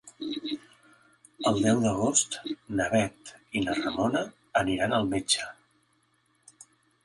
El deu d'agost na Bet i na Ramona aniran al metge.